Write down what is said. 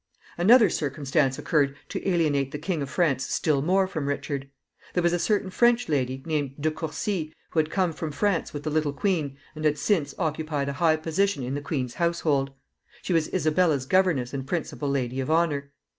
Another circumstance occurred to alienate the King of France still more from Richard. There was a certain French lady, named De Courcy, who had come from France with the little queen, and had since occupied a high position in the queen's household. She was Isabella's governess and principal lady of honor.